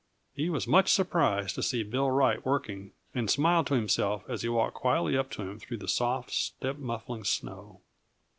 He was much surprised to see Bill Wright working, and smiled to himself as he walked quietly up to him through the soft, step muffling snow.